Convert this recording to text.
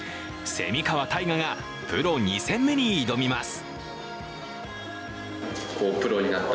蝉川泰果がプロ２戦目に挑みます。